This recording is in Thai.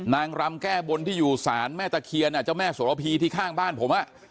รำแก้บนที่อยู่ศาลแม่ตะเคียนเจ้าแม่สวรพีที่ข้างบ้านผม